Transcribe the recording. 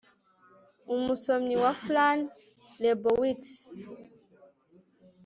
umusomyi wa fran lebowitz